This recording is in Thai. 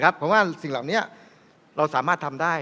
เพราะว่าสิ่งเหล่านี้เราสามารถทำได้